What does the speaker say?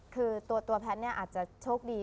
คือตัวแพทย์เนี่ยอาจจะโชคดี